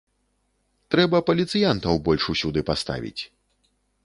Трэба паліцыянтаў больш усюды паставіць!